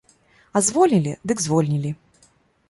А звольнілі, дык звольнілі!